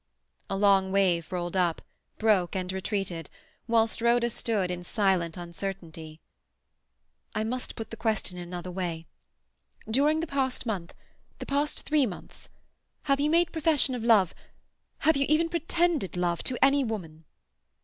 A long wave rolled up, broke, and retreated, whilst Rhoda stood in silent uncertainty. "I must put the question in another way. During the past month—the past three months—have you made profession of love—have you even pretended love—to any woman?"